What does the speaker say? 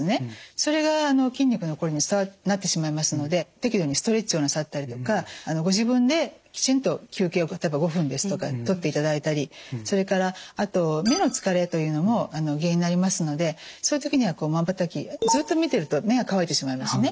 それが筋肉のコリになってしまいますので適度にストレッチをなさったりとかご自分できちんと休憩を例えば５分ですとかとっていただいたりそれからあと目の疲れというのも原因になりますのでそういう時にはまばたきずっと見てると目が乾いてしまいますね。